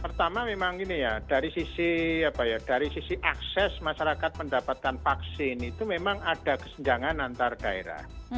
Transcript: pertama memang ini ya dari sisi akses masyarakat mendapatkan vaksin itu memang ada kesenjangan antar daerah